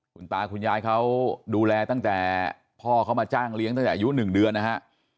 คุณตาคุณยายเขาดูแลตั้งแต่พ่อเขามาจ้างเลี้ยงตั้งแต่อายุ๑เดือนนะฮะ